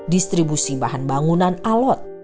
distribusi bahan bangunan alot